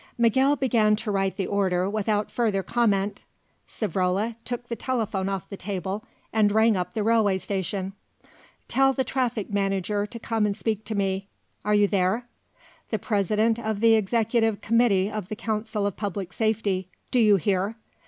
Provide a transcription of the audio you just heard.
Miguel began to write the order without further comment. Savrola took the telephone off the table and rang up the railway station. "Tell the traffic manager to come and speak to me. Are you there? The President of the Executive Committee of the Council of Public Safety do you hear?